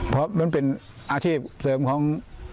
เพราะมันเป็นอาชีพเสริมของ